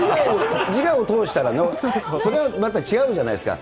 自我を通したら、それはまた違うじゃないですか。